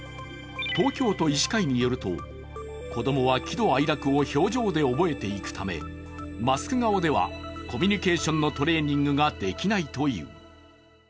東京都医師会によると、子供は喜怒哀楽を表情で覚えていくためマスク顔ではコミュニケーションのトレーニングができないという。